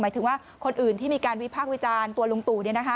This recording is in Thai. ถึงว่าคนอื่นที่มีการวิพากษ์วิจารณ์ตัวลุงตู่